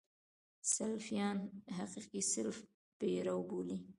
سلفیان حقیقي سلف پیرو بولي.